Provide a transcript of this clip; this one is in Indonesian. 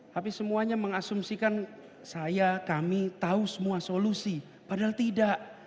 tapi semuanya mengasumsikan saya kami tahu semua solusi padahal tidak